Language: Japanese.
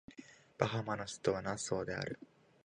バハマの首都はナッソーである